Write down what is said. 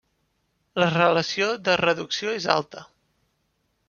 La relació de reducció és alta.